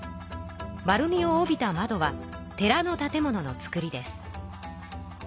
丸みを帯びたまどは寺の建物の作りです。